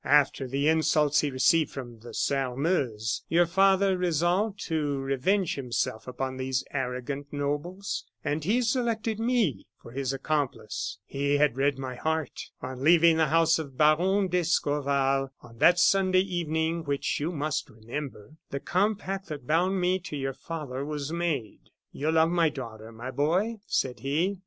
"After the insults he received from the Sairmeuse, your father resolved to revenge himself upon these arrogant nobles, and he selected me for his accomplice. He had read my heart. On leaving the house of Baron d'Escorval, on that Sunday evening, which you must remember, the compact that bound me to your father was made. "'You love my daughter, my boy,' said he.